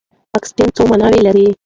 اکسنټ څو ماناوې لري؟